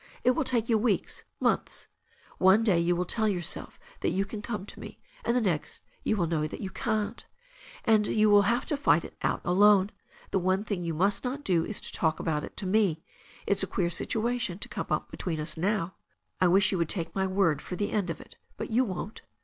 It will take you weeks — ^months. One day you will tell yourself that you can come to me, and the next you will know you can't And you will have to fight it out alone. The one thing you must not do is to talk about it to me. It's a queer situation to come up between us now. I wish you would take my; word for the end of it, but you won't."